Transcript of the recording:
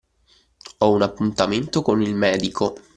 Ho un appuntamento con il medico.